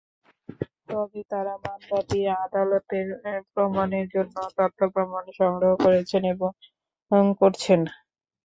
তবে তাঁরা মামলাটি আদালতের প্রমাণের জন্য তথ্য-প্রমাণ সংগ্রহ করেছেন এবং করছেন।